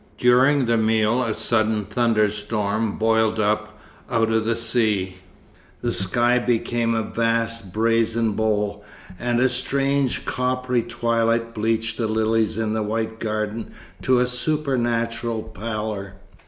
During the meal a sudden thunderstorm boiled up out of the sea: the sky became a vast brazen bowl, and a strange, coppery twilight bleached the lilies in the white garden to a supernatural pallor.